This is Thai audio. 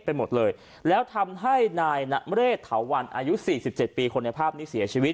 ไปหมดเลยแล้วทำให้นายนเรศเถาวันอายุ๔๗ปีคนในภาพนี้เสียชีวิต